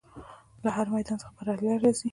له هر میدان څخه بریالی راځي.